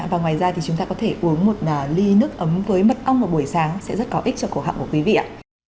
và ngoài ra thì chúng ta có thể uống một ly nước ấm với mật ong vào buổi sáng sẽ rất có ích cho cổ họ của quý vị ạ